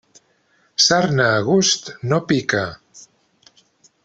Sarna a gust, no pica.